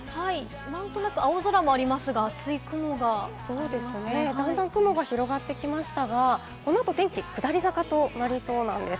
何となく青空もありますが、だんだん雲が広がってきましたが、この後は天気下り坂となりそうです。